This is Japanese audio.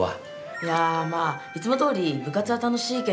いやまあいつもどおり部活は楽しいけど